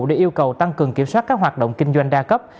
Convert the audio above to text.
để yêu cầu tăng cường kiểm soát các hoạt động kinh doanh đa cấp